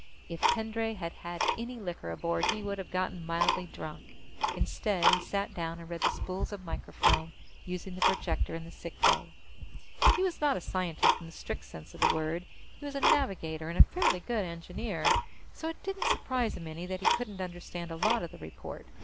If Pendray had had any liquor aboard, he would have gotten mildly drunk. Instead, he sat down and read the spools of microfilm, using the projector in the sick bay. He was not a scientist in the strict sense of the word. He was a navigator and a fairly good engineer. So it didn't surprise him any that he couldn't understand a lot of the report.